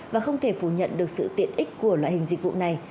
và không thể phủ nhận được sự tiện ích của loại hình dịch vụ này